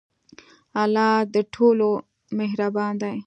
الله د ټولو مهربان دی.